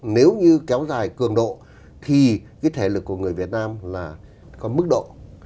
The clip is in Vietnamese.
nếu như kéo dài cường độ thì cái thể lực của người việt nam là có mức độ